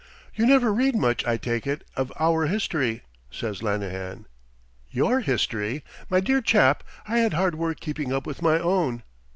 "You never read much, I take it, of our history?" says Lanahan. "Your history? My dear chap, I had hard work keeping up with my own."